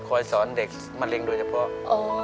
สอนเด็กมะเร็งโดยเฉพาะ